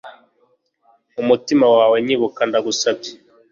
mu mutima wawe, nyibuka ndagusabye